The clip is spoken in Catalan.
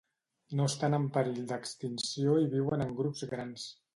No estan en perill d'extinció i viuen en grups grans.